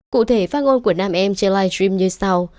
cụ thể phát ngôn của nam em trên live stream như sau